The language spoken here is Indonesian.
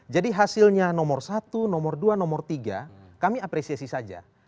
jadi hasilnya nomor satu nomor dua nomor tiga kami apresiasi saja